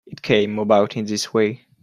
It came about in this way.